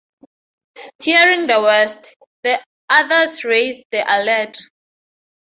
Fearing the worst, the others raised the alert.